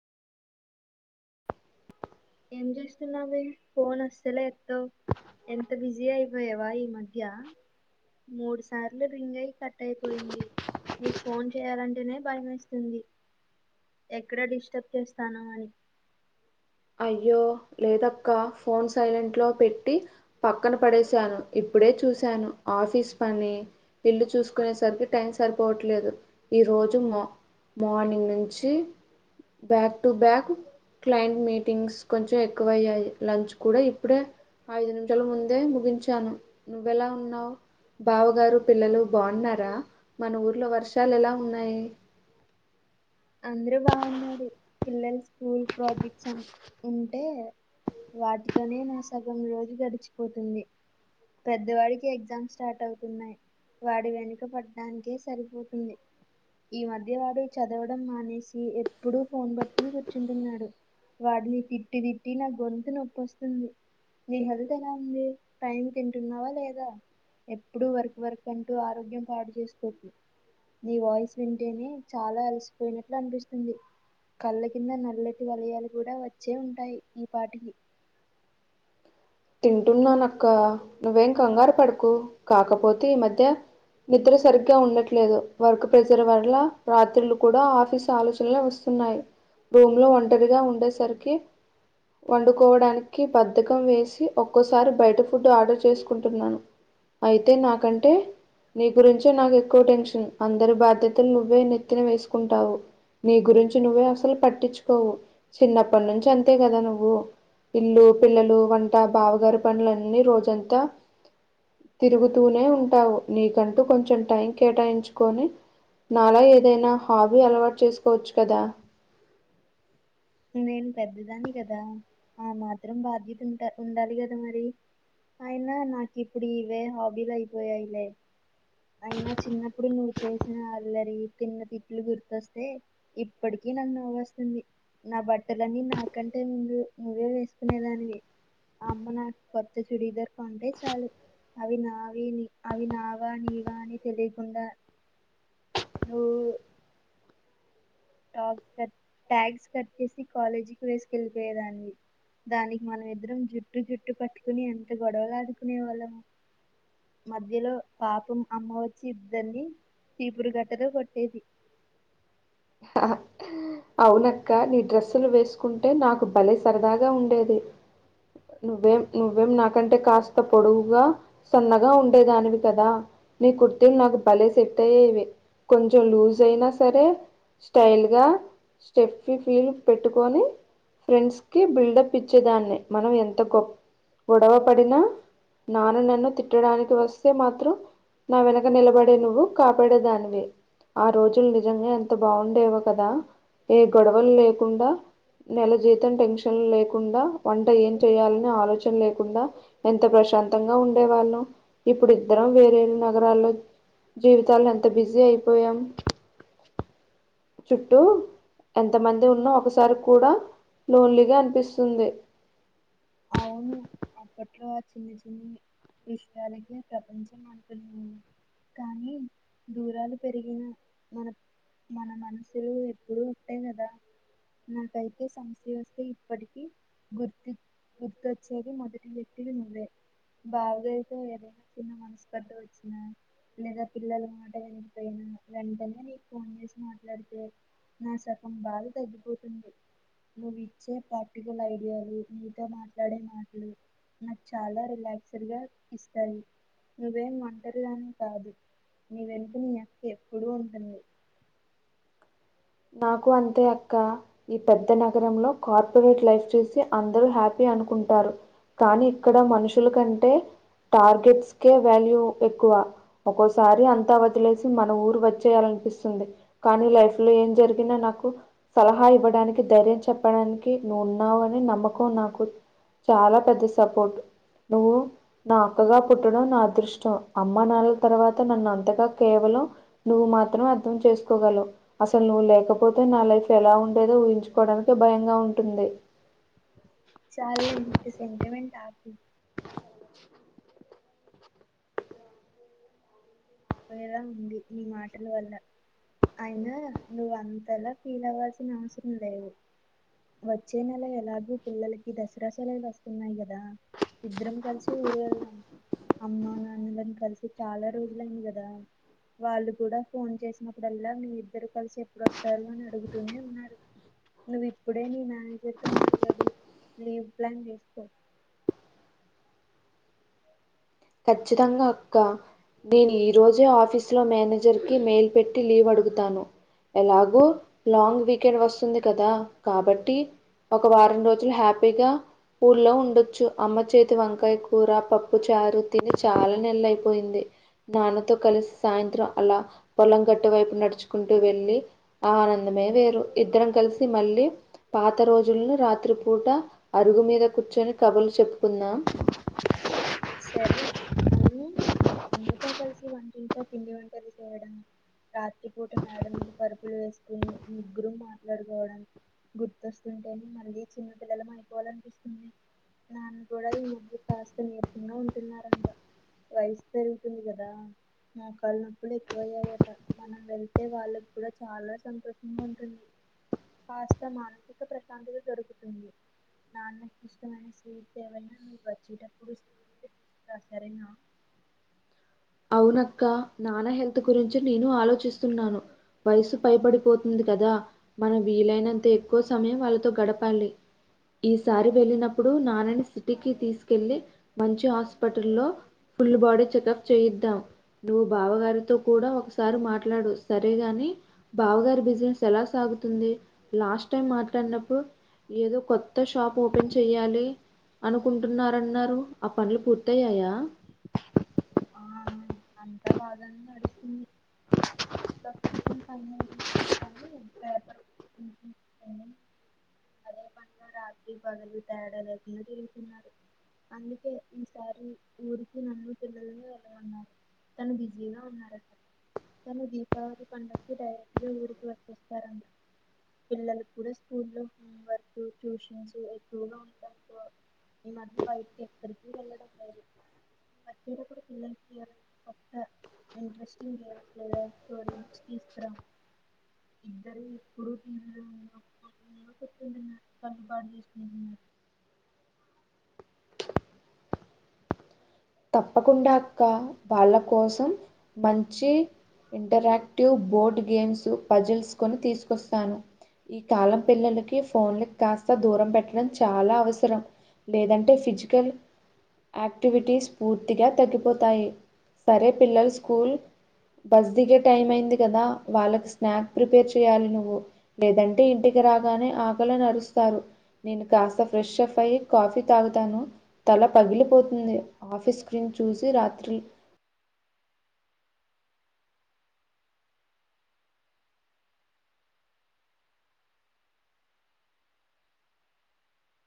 ఏం చేస్తున్నావే ఫోన్ అస్సలే ఎత్తవ్ ఎంత బిజీ అయిపోయావా ఈ మధ్య మూడు సార్లు రింగ్ అయి కట్ అయిపోయింది నీకు ఫోన్ చేయాలంటేనే భయమేస్తుంది ఎక్కడ డిస్టర్బ్ చేస్తానో అని అయ్యో లేదక్క ఫోన్ సైలెంట్‌లో పెట్టి పక్కన పడేశాను ఇప్పుడే చూశాను ఆఫీస్ పని ఇల్లు చూసుకునేసరికి టైం సరిపోవట్లేదు ఈరోజు మో మార్నింగ్ నుంచి back to back client meetings కొంచెం ఎ క్కువ అయ్యాయి లంచ్ కూడా ఇప్పుడే ఐదు నిమిషాల ముందే ముగించాను నువ్వెలా ఉన్నావ్ బావగారు పిల్లలు బాగున్నారా మన ఊర్లో వర్షాలు ఎలా ఉన్నాయి అందరు బాగున్నారు పిల్లలు స్కూల్ ప్రాజెక్ట్స్ అని ఉంటే వాటితోనే నా సగం రోజు గడిచిపోతుంది పెద్దవాడికి ఎగ్జామ్స్ స్టార్ట్ అవుతున్నాయి వాడి వెనుక పడడానికే సరిపోతుంది ఈ మధ్య వాడు చ చదవడం మానేసి ఎప్పుడు ఫోన్ పట్టుకుని కూర్చుంటున్నాడు వాడిని తిట్టి తిట్టి నా గొంతు నొప్పివస్తుంది మీ హెల్త్ ఎలా ఉంది టైమ్ తింటున్నావా లేదా ఎప్పుడు వర్క్ వర్క్ అంటూ ఆరోగ్యం పాడు చేసుకోకు నీ వాయిస్ వింటేనే చాలా అలసిపోయినట్లు అనిపిస్తుంది కళ్ళ కింద నల్లటి వలయాలు కూడా వచ్చే ఉంటాయి ఈ పాటికి తింటున్నాన అక్క నువ్వేం కంగారు పడుకు కాకపోతే ఈ మధ్య నిద్ర సరిగ్గా ఉండట్లేదు వర్క్ ప్రెజర్ వల్ల రాత్రులు కూడా ఆఫీస్ ఆలోచనలె వస్తు ఉన్నాయి రూమ్ లో ఒంటరిగా ఉండేసరికి వండుకోవడానికి బద్ధకం వేసి ఒక్కోసారి బయట ఫుడ్ ఆర్డర్ చేసుకుంటున్నాను అయితే నాకంటే నీ గురించె నాకెక్కువ టెన్షన్ అందరి బాధ్యతలు నువ్వే నెత్తిన వేసుకుంటావు నీ గురించి నువ్వే అసలు పట్టించుకోవు చిన్నప్పటి నుంచి అంతే కదా నువ్వు ఇల్లు పిల్లలు వంట బావగారి పనులన్నీ రోజంతా తిరుగుతూనే ఉంటావు నీకంటూ కొంచెం టైం కేటాయించుకొని నాలా ఏదైనా హాబీ అలవాటు చేసుకోవచ్చు కదా నేను పెద్దదాన్ని కదా ఆ మాత్రం బాధ్యత ఉంటా ఉండాలి కదా మరి అయినా నాకు ఇప్పుడు ఇవే హాబీలు అయిపోయాయిలే అయినా చిన్నప్పుడు నువ్వు చేసిన అల్లరి తిన్న తిట్లు గుర్తొస్తే ఇప్పటికీ నాకు నవ్వుస్తుంది నా బట్టలన్నీ నాకంటే ముందు నువ్వే వేసుకునేదానివి అమ్మ నా కొత్త చుడిధర్ కొంటె చాలు అవి నావి నీ అవి నావా నీవా అని తెలియకుండా నువ్వు [unintelligible] టాస్ క ట్యాగ్స్ కట్టేసి కాలేజీకి వేసుకెళ్ళిపోయేదాన్ని దానికి మనమిద్దరం జుట్టు జుట్టు పట్టుకుని ఎంత గొడవలు ఆడుకునే వాళ్ళము మధ్యలో పాపం అమ్మ వచ్చి ఇద్దరిని చిపురు కట్టతో కొట్టేది ఆహా అవునక్క నీ డ్రెస్సులు వేసుకుంటే నాకు బలే సరదాగా ఉండేది నువ్వేం నువ్వేం నాకంటే కాస్త పొడువుగా సన్నగా ఉండేదానివి కదా నీ కుర్తీలు నాకు భలే సెట్ అయ్యేవి కొంచెం లూజ్ అయినా సరే స్టైల్ గా స్టెఫి ఫీల్ పెట్టుకొని ఫ్రెండ్స్ కి బిల్డప్ ఇచ్చేదాన్ని మనం ఎంత గొప్ప గొడవ పడినా నాన్న నన్ను తిట్టడానికి వస్తే మాత్రం నా వెనక నిలబడే నువ్వు కాపాడేదానివి ఆ రోజులు నిజంగా ఎంత బాగుండేవో కదా ఏ గొడవలు లేకుండా నెల జీతం టెన్షన్ లేకుండా వంట ఏం చేయాలని ఆలోచన లేకుండా ఎంత ప్రశాంతంగా ఉండే వాళ్ళం ఇప్పుడిద్దరం వేరేరు నగరాల్లో జీవితాల్లో ఎంత బిజీ అయిపోయాం చుట్టూ ఎంత మంది ఉన్న ఒకసారి కూడా లోన్లీగా అనిపిస్తుంది అవును అప్పట్లో చిన్ని చిన్ని విషయాలకే ప్రపంచం అంటున్నా కానీ దూరాలు పెరిగిన మన మన మనసులు ఎప్పుడు ఒకటె గదా నాకైతే సమస్య వస్తే ఇప్పటికీ గుర్త్ గుర్తొచ్చేది మొదటి వ్యక్తివి నువ్వే బావగారితో ఎదైనా చిన్న మనస్పర్ధలు వచ్చిన లేదా పిల్లలు మాట వినకపోయిన వెంటనే నీకు ఫోన్ చేసి మాట్లాడితే నా సగం బాద తగ్గిపోతుంది నువ్వు ఇచ్చే పార్టికల్ ఐడియాలు నీతో మా ట్లాడే మాటలు నాకు చాలా రిలాక్స్డ్ గా ఇస్తయి నువ్వేం ఒంటరి దానివి కాదు నీ వెంట నీ అక్క ఎప్పుడూ ఉంటుంది నాకు అంతే అక్క ఈ పెద్ద నగరంలో కార్పొరేట్ లైఫ్ చూసి అందరూ హ్యాపీ అనుకుంటారు కానీ ఇక్కడ మనుషుల కంటే టార్గెట్స్కే వాల్యూ ఎక్కువ ఒక్కోసారి అంతా వదిలేసి మన ఊరు వచ్చేయాలినిపిస్తుంది కానీ లైఫ్ లో ఏం దొరికిన నాకు సలహా ఇవ్వడానికి ధైర్యం చెప్పడానికి నువ్వు ఉన్నావు అనే నమ్మకం నాకు చాలా పెద్ద సపోర్ట్ నువ్వు నా అక్కగా పుట్టడం నా అదృష్టం అమ్మ న్నానళ్ల తర్వాత నన్ను అంతగా కేవలం నువ్వు మాత్రం అర్థం చేసుకోగలవ్ అసలు నువ్వు లేకపోతే నా లైఫ్ ఎలా ఉండేదో ఊహించుకోవడానికె భయంగా ఉంటుంది చాలే ఇంకా సెంటమెంట్ ఆపు పోయేలా ఉంది మీ మాటల వల్ల అయినా నువ్వు అంతలా ఫీల్ అవ్వాల్సిన అవసరం లేదు వచ్చే నెల ఎలాగూ పిల్లలకి దసరా సెలవులు వస్తున్నాయి గదా ఇద్దరం కలిసి ఊరు ఎళ్దాం అమ్మా నాన్నని కలిసి చాలా రోజులు అయింది గదా వాళ్ళు కూడా ఫోన్ చేసినప్పుడల్లా మీ ఇద్దరు కలిసి ఎప్పుడుస్తారు అని అడుగుతూనే ఉన్నారు నువ్వు ఇప్పుడే నీ మేనేజర్ తో మాట్లాడి లీవ్ ప్లాన్ చేసుకో ఖచ్చితంగా అక్క నేను ఈ రోజే ఆఫీసులో మేనేజర్ కి మెయిల్ పెట్టి లీవ్ అడుగుతాను ఎలాగు లాంగ్ వీకెండ్ వస్తుంది కదా కాబట్టి ఒక వారం రోజులు హ్యాపీగా ఊర్లో ఉండొచ్చు అమ్మ చేతి వంకాయ కూర పప్పు చారు తిని చాలా నెలు అయిపోయింది నాన్నతో కలిసి సాయంత్రం అలా పొలం గట్టు వైపు నడుచుకుంటూ వెల్లీ ఆ ఆనందమే వేరు ఇద్దరం కలిసి మళ్ళీ పాత రోజులని రాత్రిపూట అరుగు మీద కూర్చొని కబుర్లు చెప్పుకుందాం సరే అవును అమ్మతో కలిసి వంట్టిలో పిండి వంట చేయడం రాత్రిపూట మేడ మీద పరుపులు ఎసుకుని ముగ్గురు మాట్లాడుకోవడం గుర్తొస్తుంటేనే మళ్ళీ చిన్నపిల్లలు అయిపోవాలానిపిస్తోంది నాన్ను గూడా ఈ మధ్య కాస్త నీరసంగా ఉంటున్నారంట వయసు పెరుగుతుంది గదా మా మోకాళ్ళ నొప్పులు ఎక్కువయ్యాయట మనం వెళ్తే వాళ్ళకి కూడా చాలా సంతోషంగా ఉంటుంది కాస్త మానసిక ప్రశాంతత దొరుకుతుంది నాన్నకు ఇష్టమైన స్వీట్స్ ఏవైైన నువ్వు వచ్చేటప్పుడు సరే నా అవునక్క నాన్న హెల్త్ గురించి నేను ఆలోచిస్తున్నాను వయసు పైబడిపోతుంది కదా మనం వీలైనంత ఎక్కువ సమయం వాళ్ళతో గడపాలి ఈసారి వెళ్ళినప్పుడు నాన్నని సిటీకి తీసుకెళ్ళలి మంచి హాస్పిటల్ల్లో ఫుల్ బాడీ చెకప్ చేయిద్దాం నువ్వు బావగారితో కూడా ఒకసారి మాట్లాడు సరేగాని బావగారి బిజినెస్ ఎలా సాగుతుంది లాస్ట్ టైం మాట్లాడినప్పుడు ఏదో కొత్త షాప్ ఓపెన్ చెయ్యాలి అనుకుంటున్నారన్నారు ఆ పనులు పూర్తయ్యాయా ఆ అంత బాగానే నడుస్తుంది లొకేషన్ [inaudible] అదే పనిగ రాత్రి పగలు తేడా లేకుండా తిరుగుతున్నారు అందుకే ఈసారి ఊరికి నన్ను పిల్లలని వెళ్ళ ఉన్నారు తను బిజీగా ఉన్నారని తను బి గౌరి పండక్కి డైరెక్ట్ గా ఊరికి వర్తిస్తారంట పిల్లలక్ కూడా స్కూల్ లో హోం వర్క్ ట్యూషన్స్ ఎక్కువగా ఉంటా ఈ మద్య బయటికి ఎక్కడికి వెళ్లడం లేదు బస్తిలో కూడా పిల్లలకి ఎవరికీ అంత ఇంట్రెస్టింగ్ ఎవరికీ లేద్ స్టోరీ నుంచి తీస్తరా ఇద్దరు ఎప్పుడు టివి లో ఉన్న కొట్టుకుంటున్నారు తల పాడుచేసుకుంటున్నారు తప్పకుండా అక్క వాళ్ళ కోసం మంచి ఇంటరాక్టివ్ బోర్డ్ గేమ్స్ పజిల్స్ కొని తీసుకొస్తాను ఈ కాలం పిల్లలకి ఫోన్లక్ కాస్త దూరం పెట్టడం చాలా అవసరం లేదంటే ఫిజికల్ ఆక్టివిటీస్ పూర్తిగా తగ్గిపోతాయి సరే పిల్లలు స్కూల్ బస్ దిగే టైం అయింది కదా వాళ్ళకి స్నాక్ ప్రిపేర్ చెయాలి నువ్వు లేదంటే ఇంటికి రాగానే ఆకలని అరుస్తారు నేను కాస్త ఫ్రెష్ అఫ్ అయ్యి కాఫీ తాగుతాను తల పగిలిపోతుంది ఆఫీస్ క్రీన్ చూసి రాత్రి